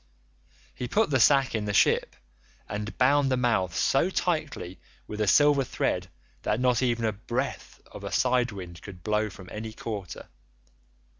He put the sack in the ship and bound the mouth so tightly with a silver thread that not even a breath of a side wind could blow from any quarter.